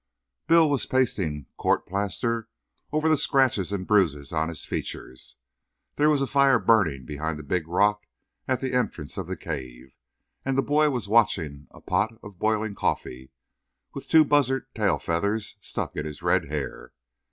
Bill was pasting court plaster over the scratches and bruises on his features. There was a fire burning behind the big rock at the entrance of the cave, and the boy was watching a pot of boiling coffee, with two buzzard tail feathers stuck in his red hair.